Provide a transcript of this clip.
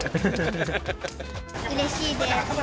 うれしいです。